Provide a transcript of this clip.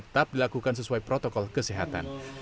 tetap dilakukan sesuai protokol kesehatan